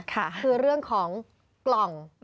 คือเรื่องของกล่อง